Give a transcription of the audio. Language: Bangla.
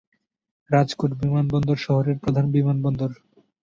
রাজকোট বিমানবন্দর শহরের প্রধান বিমানবন্দর।